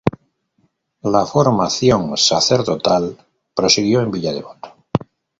La formación sacerdotal prosiguió en Villa Devoto.